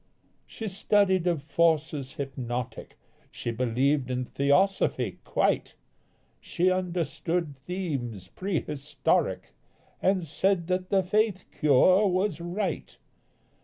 She studied of forces hypnotic, She believed in theosophy quite, She understood themes prehistoric And said that the faith cure was right.